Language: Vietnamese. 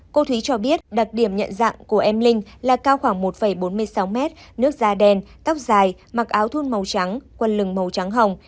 cô thúy cho biết đặc điểm nhận dạng của em linh là cao khoảng một bốn mươi sáu mét nước da đen tóc dài mặc áo thun màu trắng quân lừng màu trắng hồng